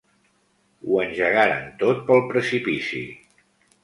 Ho engegaren tot pel precipici.